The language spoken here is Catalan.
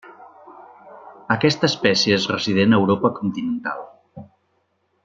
Aquesta espècie és resident a Europa continental.